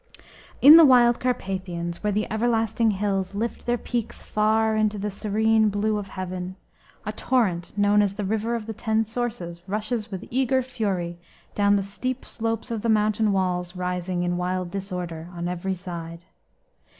'" 241 THE wild Carpathians, where the everlasting hills lift their peaks far into the serene blue of Heaven, a torrent known as the River of the Ten Sources rushes with eager fury down the steep slopes of the mountain walls rising in wild disorder on every side.